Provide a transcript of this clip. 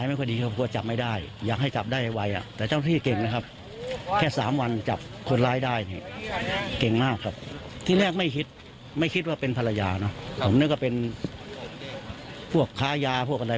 แล้วเราหรือครับผมว่าคนร้ายนี่เขาก็เห็นเป็นภัยาค่า